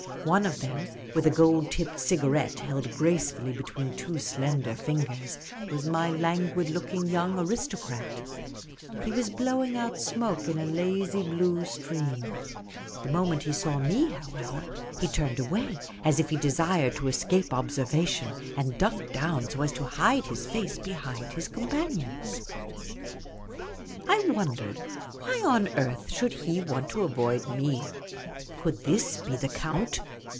One of them, with a gold tipped cigarette held gracefully between two slender fingers, was my languid looking young aristocrat. He was blowing out smoke in a lazy blue stream. The moment he saw me, however, he The Supercilious Attache 37 turned away as if he desired to escape observation, and ducked down so as to hide his face behind his companions. HE CAST A HASTY (il. ANCE AT IS, I wondered why on earth he should want to avoid me. Could this be the Count